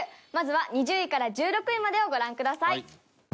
まずは２０位から１６位までをご覧ください。